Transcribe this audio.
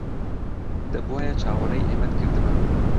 دەبوایە چاوەڕێی ئێمەت کردبا.